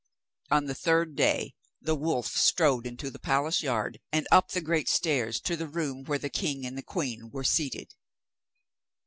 On the third day the wolf strode into the palace yard and up the great stairs, to the room where the king and queen were seated.